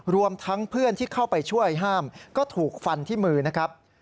รวมทั้งเพื่อนที่เข้าไปช่วยห้ามก็ถูกฟันที่มือนะครับ